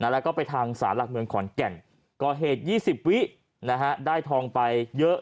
แล้วก็ไปทางศาลหลักเมืองขอนแก่นก่อเหตุ๒๐วิได้ทองไปเยอะ